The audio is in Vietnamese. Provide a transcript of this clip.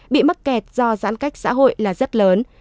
bị mắc kẹt do giãn cách xã hội là rất lớn